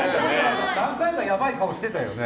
何回かやばい顔してたよね。